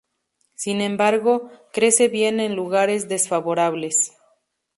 Sin embargo, crece bien en lugares desfavorables.